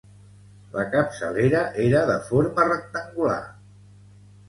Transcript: La capçalera era de forma rectangular.